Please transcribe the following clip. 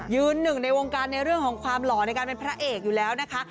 หนึ่งในวงการในเรื่องของความหล่อในการเป็นพระเอกอยู่แล้วนะคะ